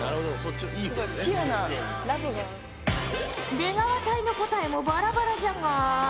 出川隊の答えもバラバラじゃが。